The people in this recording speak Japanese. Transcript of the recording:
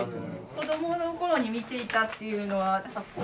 子どもの頃に見ていたっていうのはこういった。